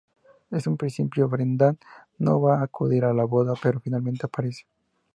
En un principio Brendan no va a acudir a la boda, pero finalmente aparece.